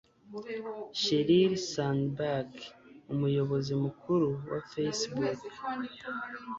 Sheryl Sandberg, umuyobozi mukuru wa Facebook